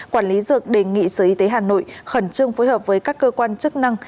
quản lý dược đề nghị sở y tế hà nội khẩn trương phối hợp với các cơ quan chức năng